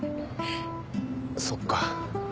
そっか。